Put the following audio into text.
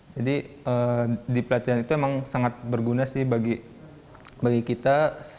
jadi di pelatihan itu emang sangat berguna sih bagi kita